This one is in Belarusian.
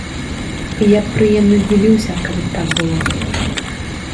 Я б прыемна здзівіўся, калі б так было.